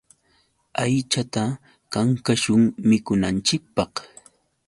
Aychata kankashun mikunanchikpaq.